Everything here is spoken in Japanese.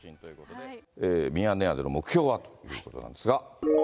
ミヤネ屋での目標は、ということなんですが。